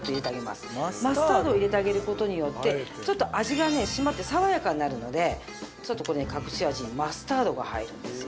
マスタードを入れてあげる事によってちょっと味がね締まって爽やかになるのでちょっと隠し味にマスタードが入るんですよ。